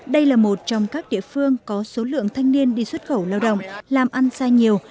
đây là một trong các địa phương có số lượng thanh niên đi xuất khẩu lao động làm ăn xa nhiều